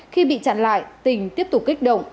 khi bị chặn lại tỉnh tiếp tục kích động